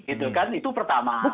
itu kan itu pertama